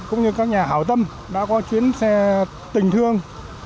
cũng như các nhà hảo tâm đã có chuyến xe tình thương